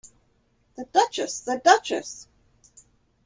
The Duchess, the Duchess!